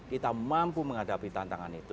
kita mampu menghadapi tantangan itu